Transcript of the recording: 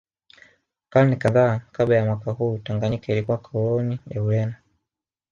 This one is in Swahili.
Karne kadhaa kabla ya mwaka huu Tanganyika ilikuwa koloni ya Ureno